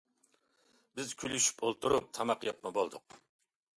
بىز كۈلۈشۈپ ئولتۇرۇپ تاماق يەپمۇ بولدۇق.